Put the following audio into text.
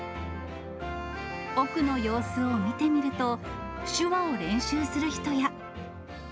奥の様子を見てみると、手話を練習する人や。